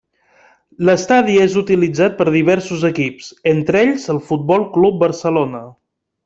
L'estadi és utilitzat per diversos equips, entre ells el Futbol Club Barcelona.